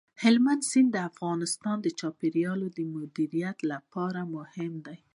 هلمند سیند د افغانستان د چاپیریال د مدیریت لپاره مهم دی.